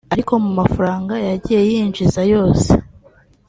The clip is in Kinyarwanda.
ariko mu mafaranga yagiye yinjiza yose